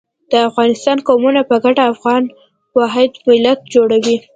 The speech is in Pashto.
د افغانستان قومونه په ګډه افغان واحد ملت جوړوي.